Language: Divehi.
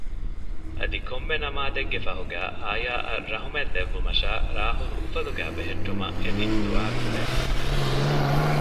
އަދި ކޮންމެ ނަމާދެއްގެ ފަހުގައި އާޔާއަށް ރަހުމަތް ލެއްވުމަށާ ރާހުލް އުފަލުގައި ބެހެއްޓުމަށް އެދި ދުޢާ ކުރޭ